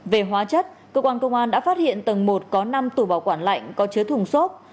về hóa chất cơ quan công an đã phát hiện tầng một có năm tủ bảo quản lạnh có chứa thùng xốp